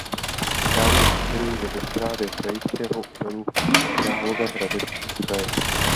Chráněné území je ve správě Krajského úřadu Královéhradeckého kraje.